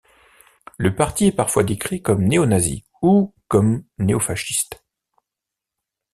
Le parti est parfois décrit comme néonazi ou comme néofasciste.